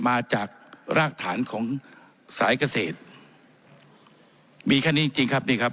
มาจากรากฐานของสายเกษตรมีแค่นี้จริงจริงครับนี่ครับ